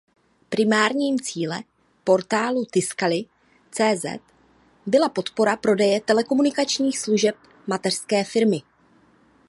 Primárním cíle portálu Tiscali.cz byla podpora prodeje telekomunikačních služeb mateřské firmy.